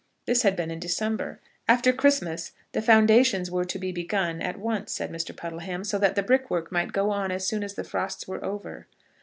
This had been in December. After Christmas, the foundations were to be begun at once, said Mr. Puddleham, so that the brickwork might go on as soon as the frosts were over.